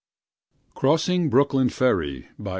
CROSSING BROOKLYN FERRY. 1.